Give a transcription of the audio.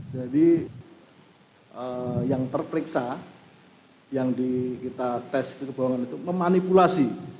jadi yang terperiksa yang di kita tes itu kebohongan itu memanipulasi